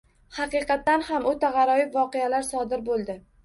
Haqiqatan ham, oʻta gʻaroyib voqealar sodir boʻldi.